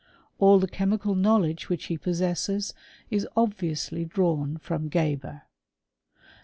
All the chemical knowledge which he possesses is obviously drawn from Geber.